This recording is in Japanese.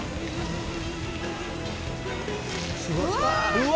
うわ！